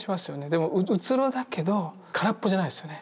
でもうつろだけど空っぽじゃないですよね。